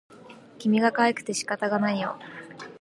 君がかわいくて仕方がないよ